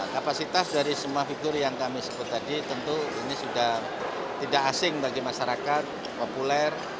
kapasitas dari semua figur yang kami sebut tadi tentu ini sudah tidak asing bagi masyarakat populer